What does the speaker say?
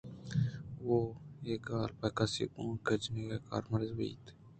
او: اے گال پہ کسے ءِ گْوانک جَنَگ ءَ کارمرز بیت۔